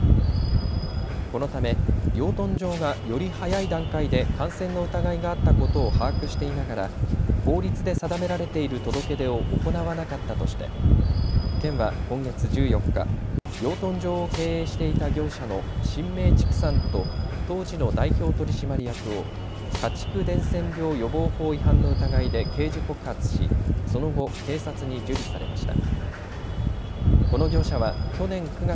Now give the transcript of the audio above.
このため養豚場がより早い段階で感染の疑いがあったことを把握していながら法律で定められている届け出を行わなかったとして県は今月１４日、養豚場を経営していた業者の神明畜産と当時の代表取締役を家畜伝染病予防法違反の疑いで刑事告発しその後、警察に受理されました。